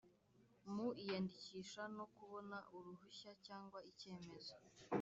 mu iyandikisha no kubona uruhushya cyangwa icyemezo